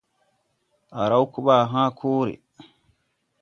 A raw keɓaa hãã kore.